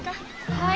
はい。